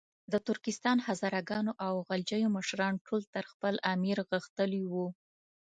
د ترکستان، هزاره ګانو او غلجیو مشران ټول تر خپل امیر غښتلي وو.